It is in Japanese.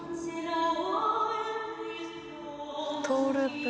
トウループ。